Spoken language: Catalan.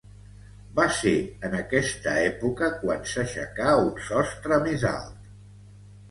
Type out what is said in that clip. Va ser en aquesta època quan s'aixecà un sostre més alt.